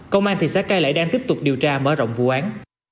công an thị xã cai lệ đang tiếp tục điều tra mở rộng vụ án